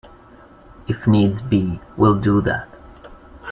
If needs be, we'll do that.